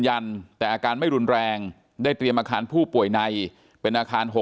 ยันแต่อาการไม่รุนแรงได้เตรียมอาคารผู้ป่วยในเป็นอาคาร๖